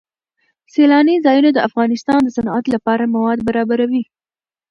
سیلانی ځایونه د افغانستان د صنعت لپاره مواد برابروي.